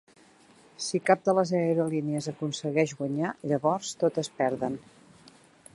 Si cap de les aerolínies aconsegueix guanyar, llavors totes perden.